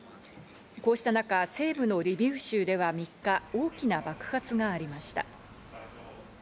こうした中、西部のリビウ州では３日、大きな爆発がありました。